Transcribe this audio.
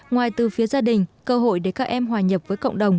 ngoài từ phía gia đình cơ hội để các em hòa nhập với cộng đồng